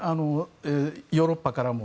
ヨーロッパからも。